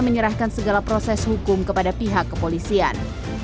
menyerahkan segala proses hukum kepada pihak kepolisian